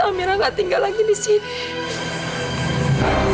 amira gak tinggal lagi disini